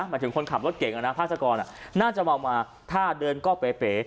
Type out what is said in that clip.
หมายถึงคนขับรถเก่งพาสกรน่าจะเมามาถ้าเดินก็เป๋